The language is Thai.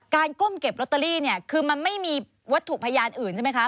ก้มเก็บลอตเตอรี่เนี่ยคือมันไม่มีวัตถุพยานอื่นใช่ไหมคะ